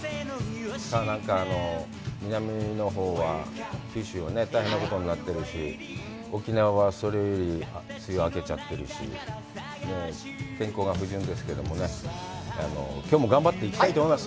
なんか、南のほうは、九州は大変なことになってるし、沖縄は、それより梅雨が明けちゃってるし、天候が不順ですけどもね、きょうも頑張っていきたいと思います。